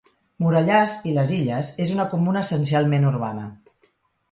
Morellàs i les Illes és una comuna essencialment urbana.